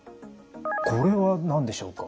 これは何でしょうか？